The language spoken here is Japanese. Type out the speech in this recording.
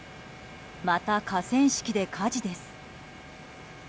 また河川敷で火事です。